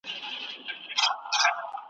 ټولو وویل دا تشي افسانې دي .